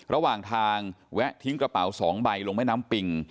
ระหว่างทางแวะทิ้งกระเป๋า๒ใบลงแม่น้ำปิ่ง